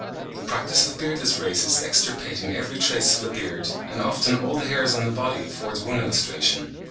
The practice of beardless races extirpating every trace of a beard, and often all the hairs on the body affords one illustration.